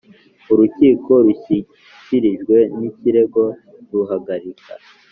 Urukiko rushyikirijwe ikirego ruhagarika